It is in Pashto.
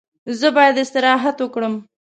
زه باید استراحت وکړم.